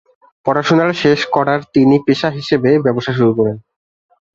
পড়াশুনার শেষ করার তিনি পেশা হিসেবে ব্যবসা শুরু করেন।